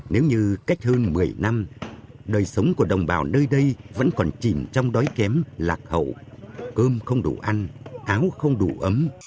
nếu như cách hơn một mươi năm đời sống của đồng bào nơi đây vẫn còn chìm trong đói kém lạc hậu cơm không đủ ăn áo không đủ ấm